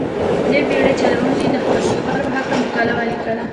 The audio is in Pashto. دې بېړۍ چلوونکي د خپل سفر په هلکه مقاله ولیکله.